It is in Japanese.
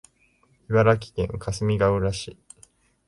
茨城県かすみがうら市